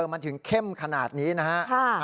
มันถึงเคร่มขนาดนี้ฮะ